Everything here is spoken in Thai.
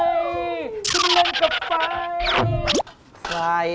ชิ้นเล่นกับไฟ